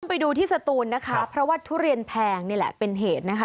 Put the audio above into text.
ไปดูที่สตูนนะคะเพราะว่าทุเรียนแพงนี่แหละเป็นเหตุนะคะ